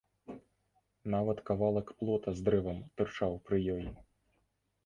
Нават кавалак плота з дрэвам тырчаў пры ёй.